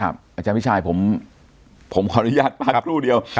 อาจารย์พี่ชายผมขออนุญาตพักครู่เดียว